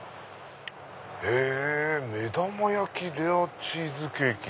へぇ目玉焼きレアチーズケーキ！